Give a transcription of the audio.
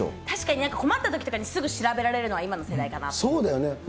確かに困ったときとかにすぐ調べられるのは、今の世代だなっそうだよね。